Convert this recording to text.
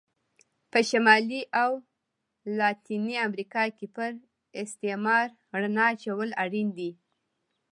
په شمالي او لاتینې امریکا کې پر استعمار رڼا اچول اړین دي.